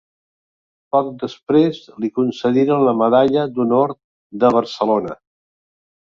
Poc després li concediren la Medalla d'Honor de Barcelona.